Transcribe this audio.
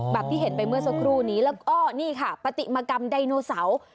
ที่เห็นไปเมื่อสักครู่นี้แล้วก็นี่ค่ะปฏิมากรรมไดโนเสาร์